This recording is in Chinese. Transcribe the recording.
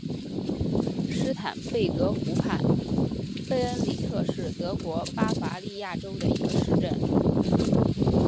施坦贝格湖畔贝恩里特是德国巴伐利亚州的一个市镇。